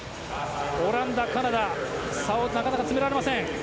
オランダ、カナダ差をなかなか詰められません。